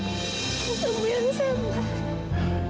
kamu yang sabar